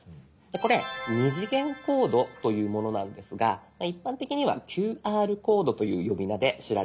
これ「２次元コード」というものなんですが一般的には「ＱＲコード」という呼び名で知られていると思います。